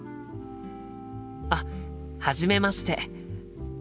あっはじめまして。